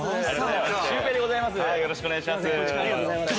シュウペイでございます。